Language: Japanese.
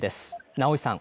直井さん。